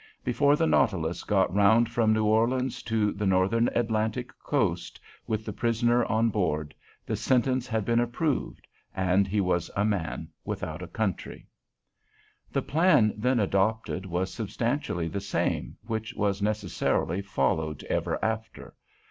Before the "Nautilus" got round from New Orleans to the Northern Atlantic coast with the prisoner on board, the sentence had been approved, and he was a man without a country. The plan then adopted was substantially the same which was necessarily followed ever after.